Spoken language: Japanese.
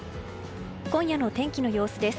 今夜の天気の様子です。